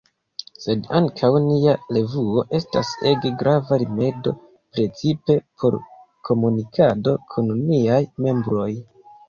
Sed ankaŭ nia revuo restas ege grava rimedo, precipe por komunikado kun niaj membroj.